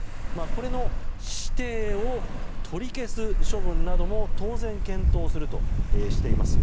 これの指定を取り消す処分なども当然検討するとしています。